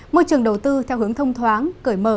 môi trường đầu tư theo hướng thông thoáng cởi mở